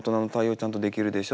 ちゃんとできるでしょ。